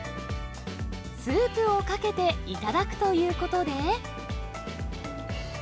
スープをかけて頂くということで。